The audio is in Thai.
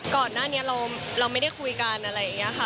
ก่อนหน้านี้เราไม่ได้คุยกันอะไรอย่างนี้ค่ะ